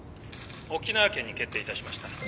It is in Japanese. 沖縄県に決定いたしました。